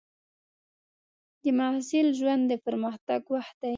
د محصل ژوند د پرمختګ وخت دی.